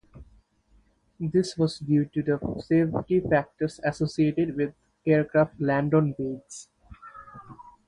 This was due to the safety factors associated with aircraft "land-on" weights.